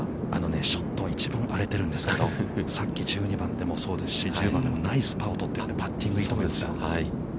◆ショットは一番荒れているんですけれども、さっき、１２番もそうですし、１０番でも、ナイスパーを取って、パッティングはいいと思いますよ。